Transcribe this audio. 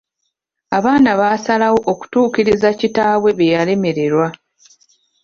Abaana baasalawo okutuukiriza kitaawe bye yalemererwa.